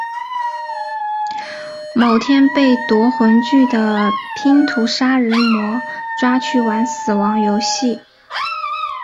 某天被夺魂锯的拼图杀人魔抓去玩死亡游戏。